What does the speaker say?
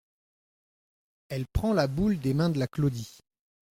Elle prend la boule des mains de la Claudie.